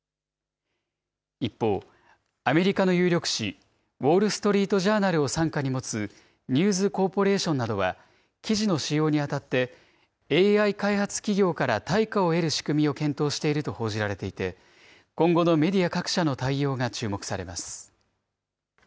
一方、アメリカの有力紙、ウォール・ストリート・ジャーナルを傘下に持つニューズ・コーポレーションなどは、記事の使用にあたって、ＡＩ開発企業から対価を得る仕組みを検討していると報じられていて、今後のメディア各社の対応が注目されます。